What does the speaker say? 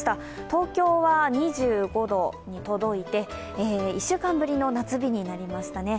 東京は２５度に届いて１週間ぶりの夏日になりましたね。